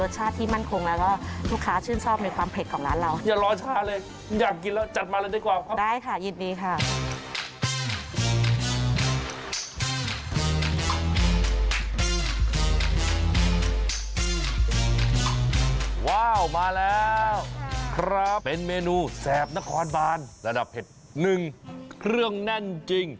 ว้าวมาแล้วครับเป็นเมนูแสบนครบานระดับเผ็ดหนึ่งเครื่องแน่นจริง